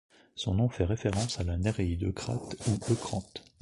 Son nom fait référence à la Néréide Eucrate, ou Eucrante.